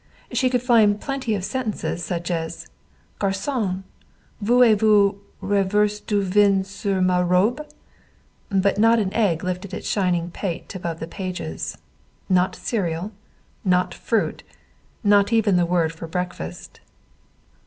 She could find plenty of sentences such as "Garçon, vous avez renversé du vin sur ma robe," but not an egg lifted its shining pate above the pages. Not cereal. Not fruit. Not even the word breakfast.